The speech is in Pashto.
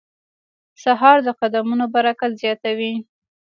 سهار د قدمونو برکت زیاتوي.